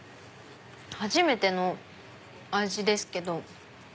初めての味ですけど。